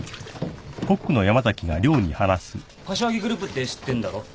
柏木グループって知ってんだろ？